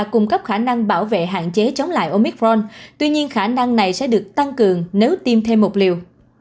cung cấp khả năng bảo vệ hạn chế chống lại omitron tuy nhiên khả năng này sẽ được tăng cường nếu tiêm thêm một liều